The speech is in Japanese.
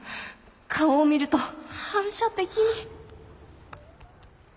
顔を見ると反射的に。